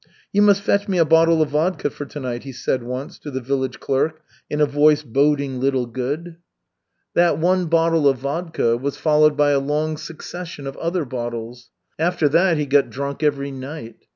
"You must fetch me a bottle of vodka for to night," he said once to the village clerk in a voice boding little good. That one bottle of vodka was followed by a long succession of other bottles. After that he got drunk every night.